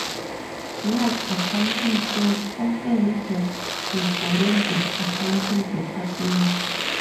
Large accounting firms often have a forensic accounting department.